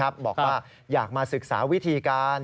บอกว่าอยากมาศึกษาวิธีการ